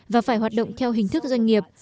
và phải hoạt động theo hình thức doanh nghiệp